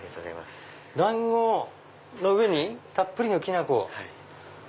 団子の上にたっぷりのきな粉。